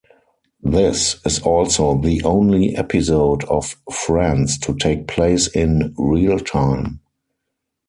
This is also the only episode of "Friends" to take place in "real time".